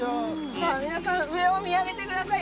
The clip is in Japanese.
さあ皆さん上を見上げてください。